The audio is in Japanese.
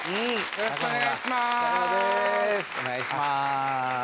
よろしくお願いします。